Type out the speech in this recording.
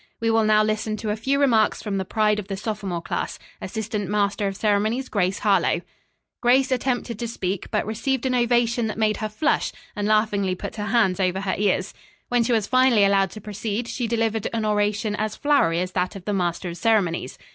We will now listen to a few remarks from the pride of the sophomore class, Assistant Master of Ceremonies Grace Harlowe." Grace attempted to speak, but received an ovation that made her flush and laughingly put her hands over her ears. When she was finally allowed to proceed, she delivered an oration as flowery as that of the master of ceremonies.